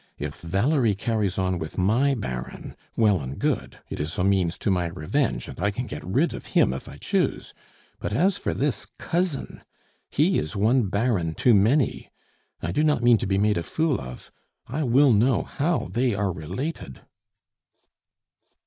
"If Valerie carries on with my Baron, well and good it is a means to my revenge, and I can get rid of him if I choose; but as for this cousin! He is one Baron too many; I do not mean to be made a fool of. I will know how they are related."